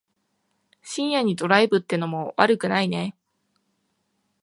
深夜にドライブってのも悪くないね。